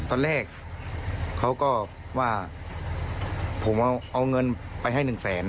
ตอนแรกเขาก็ว่าผมเอาเงินไปให้หนึ่งแสน